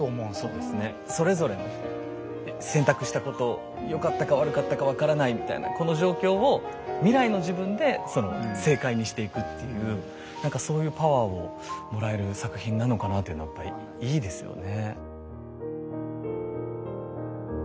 そうですねそれぞれの選択したことよかったか悪かったか分からないみたいなこの状況を何かそういうパワーをもらえる作品なのかなっていうのはやっぱりいいですよね。